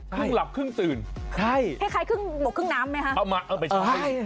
ครึ่งหลับครึ่งตื่นใช่ให้ใครบอกครึ่งน้ำไหมฮะเอามาเอาไปใช้